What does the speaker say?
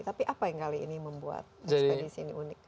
tapi apa yang kali ini membuat ekspedisi ini unik